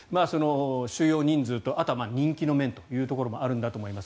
収容人数と、あとは人気の面もあるんだと思います。